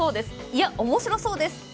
おもしろそうです